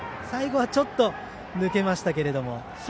最後はちょっと抜けましたが。